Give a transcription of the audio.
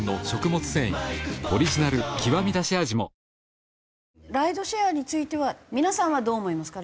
２１ライドシェアについては皆さんはどう思いますか？